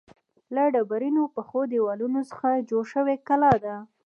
له ډبرینو پخو دیوالونو څخه جوړه شوې کلا ده.